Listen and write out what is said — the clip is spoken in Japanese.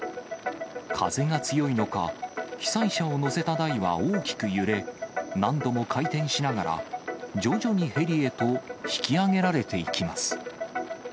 風が強いのか、被災者を乗せた台は大きく揺れ、何度も回転しながら、徐々にヘリへと引き上げられていきます。